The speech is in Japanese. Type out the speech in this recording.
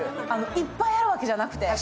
いっぱいあるわけじゃなくて。